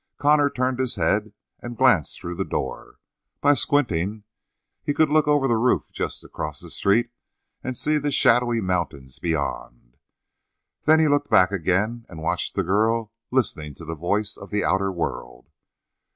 Connor turned his head and glanced through the door; by squinting he could look over the roof just across the street and see the shadowy mountains beyond; then he looked back again and watched the girl listening to the voice of the outer world.